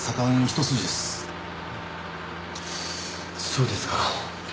そうですか。